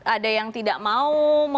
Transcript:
ada yang tidak mau